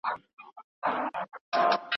دا لوی دئ.